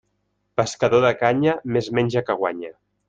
Pescador de canya, més menja que guanya.